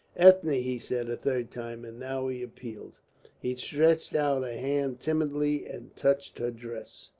"Ethne," he said a third time, and now he appealed. He stretched out a hand timidly and touched her dress.